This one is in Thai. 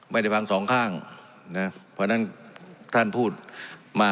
ไม่ได้ฟังสองข้างนะเพราะฉะนั้นท่านพูดมา